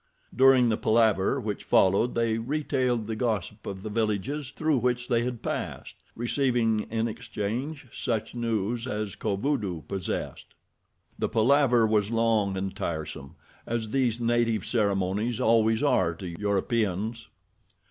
During the palaver which followed they retailed the gossip of the villages through which they had passed, receiving in exchange such news as Kovudoo possessed. The palaver was long and tiresome, as these native ceremonies always are to Europeans.